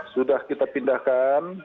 sudah kita pindahkan